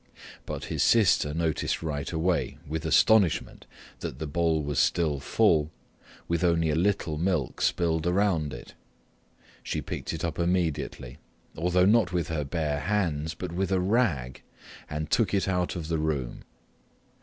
But his sister noticed right away with astonishment that the bowl was still full, with only a little milk spilled around it. She picked it up immediately, although not with her bare hands but with a rag, and took it out of the room.